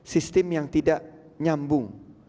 sistem yang tidak nyambung